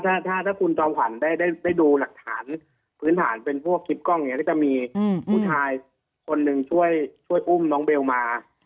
ถ้าถ้าคุณจอมขวัญได้ดูหลักฐานพื้นฐานเป็นพวกคลิปกล้องอย่างนี้ก็จะมีผู้ชายคนหนึ่งช่วยอุ้มน้องเบลมา